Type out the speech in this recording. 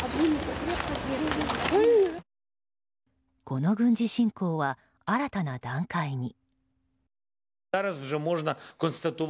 この軍事侵攻は新たな段階に。